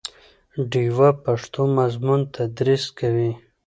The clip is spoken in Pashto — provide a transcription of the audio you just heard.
ډیوه پښتو مضمون تدریس کوي